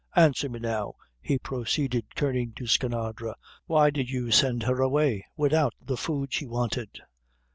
Answer me now," he proceeded, turning to Skinadre, "why did you send her away widout the food she wanted?"